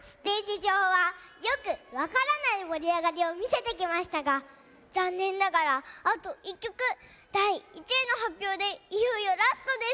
じょうはよくわからないもりあがりをみせてきましたがざんねんながらあと１きょくだい１いのはっぴょうでいよいよラストです。